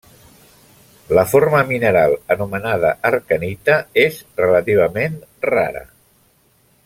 La forma mineral, anomenada arcanita, és relativament rara.